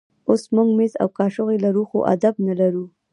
اوس موږ مېز او کاچوغې لرو خو آداب نه لرو.